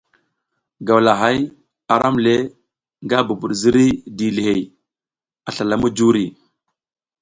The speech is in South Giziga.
Gawlahay aram le nga bubud ziriy dilihey a slala mujuri.